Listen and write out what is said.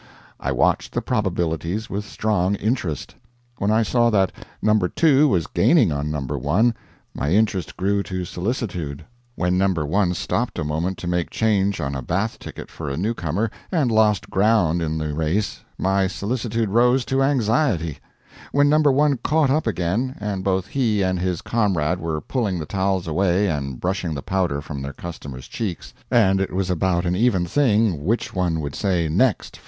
I watched the probabilities with strong interest. When I saw that No. 2 was gaining on No. 1 my interest grew to solicitude. When No. 1 stopped a moment to make change on a bath ticket for a new comer, and lost ground in the race, my solicitude rose to anxiety. When No. 1 caught up again, and both he and his comrade were pulling the towels away and brushing the powder from their customers' cheeks, and it was about an even thing which one would say "Next!"